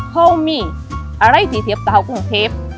เขามีอะไรที่เทียบต่อกรุงเทพฯ